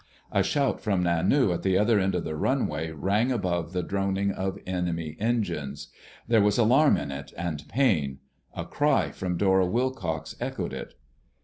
A shout from Nanu at the other end of the runway rang above the droning of enemy engines. There was alarm in it, and pain. A cry from Dora Wilcox echoed it.